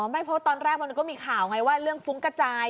ไม่เพราะตอนแรกมันก็มีข่าวไงว่าเรื่องฟุ้งกระจาย